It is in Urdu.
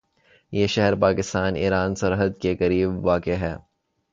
یہ شہر پاک ایران سرحد کے قریب واقع ہے